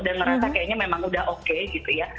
dan merasa kayaknya memang sudah oke gitu ya